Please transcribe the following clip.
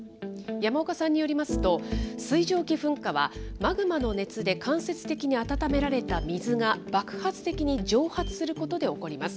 山岡さんによりますと、水蒸気噴火は、マグマの熱で間接的に温められた水が、爆発的に蒸発することで起こります。